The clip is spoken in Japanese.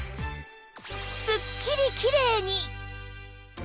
すっきりきれいに！